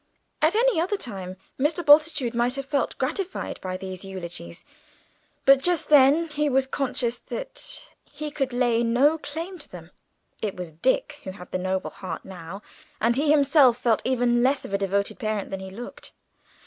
At any other time Mr. Bultitude might have felt gratified by these eulogies, but just then he was conscious that he could lay no claim to them. It was Dick who had the noble heart now, and he himself felt even less of a devoted parent than he looked.